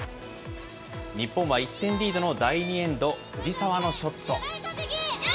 日本は１点リードの第２エンド、藤澤のショット。